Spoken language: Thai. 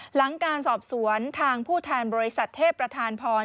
หลังการสอบสวนทางผู้แทนบริษัทเทพประธานพร